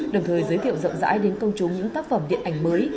đồng thời giới thiệu rộng rãi đến công chúng những tác phẩm điện ảnh mới